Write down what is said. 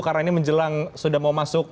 karena ini menjelang sudah mau masuk